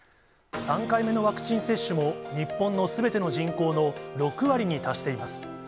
３回目のワクチン接種も、日本のすべての人口の６割に達しています。